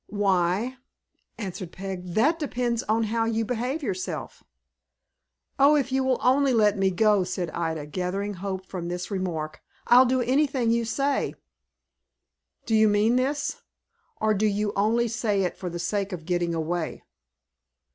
"Why," answered Peg, "that depends on how you behave yourself." "Oh, if you will only let me go," said Ida, gathering hope from this remark, "I'll do anything you say." "Do you mean this, or do you only say it for the sake of getting away?"